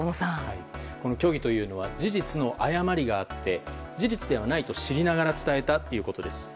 この虚偽というのは事実の誤りがあり事実ではないと知りながら伝えたということです。